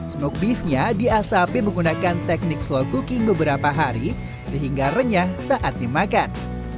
smoke beefnya diasapi menggunakan teknik slow cooking beberapa hari sehingga renyah saat dimakan